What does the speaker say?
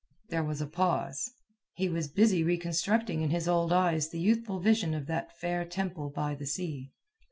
There was a pause. He was busy reconstructing in his old eyes the youthful vision of that fair temple by the sea.